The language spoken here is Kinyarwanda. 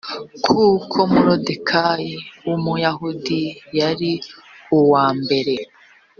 kuko moridekayi w umuyahudi yari uwa mbere